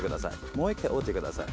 もう１回折ってください。